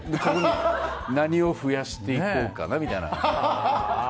何を増やしていこうかなみたいな。